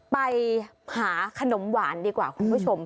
ไปหาขนมหวานดีกว่าคุณผู้ชม